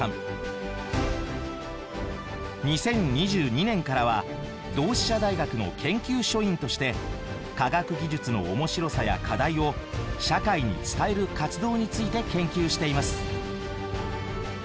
２０２２年からは同志社大学の研究所員として科学技術の面白さや課題を社会に伝える活動について研究しています。